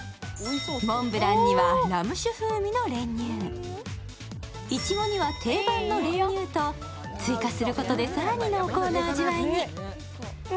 モンブランにはラム酒風味の練乳、いちごには、定番の練乳と追加することで更に濃厚な味わいに。